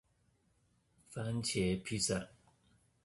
番茄披薩